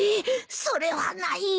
それはないよ。